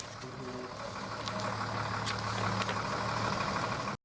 โดยเจ้าหน้าที่เนี้ยจับงูได้สะดวกจนสามารถจับครอบครัวงูเห่านี้ได้จนสามารถจับครอบครัว